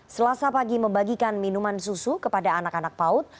selasa pagi membagikan minuman susu kepada anak anak paut